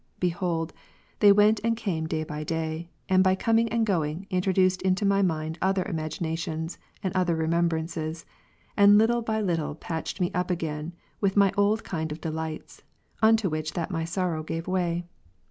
Behold, they went and came day by day, and by coming and going, introduced into my mind other imagin ations, and other remembrances ; and little by little patched me up again with my old kind of delights, unto which that my sorrow gave way.